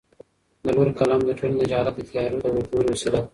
د لور قلم د ټولنې د جهالت د تیارو د ورکولو وسیله ده